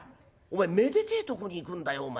めでてえとこに行くんだよお前。